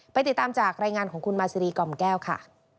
ติดตามจากรายงานของคุณมาซีรีกล่อมแก้วค่ะ